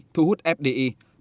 hai thu hút fdi